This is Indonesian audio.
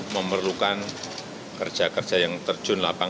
memerlukan kerja kerja yang terjun